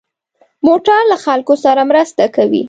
موټر له خلکو سره مرسته کوي.